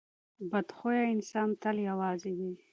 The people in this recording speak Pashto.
بد خویه انسان تل یوازې وي.